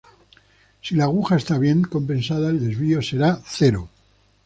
Si la aguja está bien compensada, el desvío será cero.